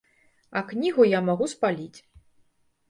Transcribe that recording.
А кнігу я магу спаліць.